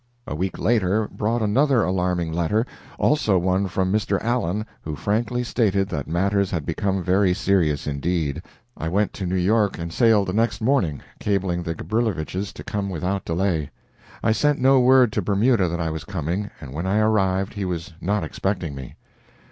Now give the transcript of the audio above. A week later brought another alarming letter, also one from Mr. Allen, who frankly stated that matters had become very serious indeed. I went to New York and sailed the next morning, cabling the Gabrilowitsches to come without delay. I sent no word to Bermuda that I was coming, and when I arrived he was not expecting me.